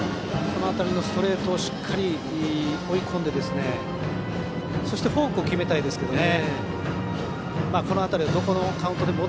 この辺りのストレートでしっかり追い込んでそしてフォークを決めたいですね。